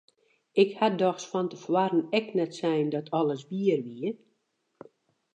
Ik ha dochs fan te foaren ek net sein dat alles wier wie!